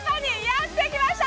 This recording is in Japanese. やって来ました！